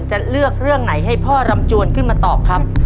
จะเลือกเรื่องไหนให้พ่อรำจวนขึ้นมาตอบครับ